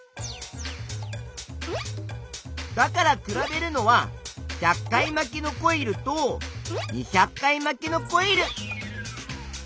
だから比べるのは１００回まきのコイルと２００回まきのコイル。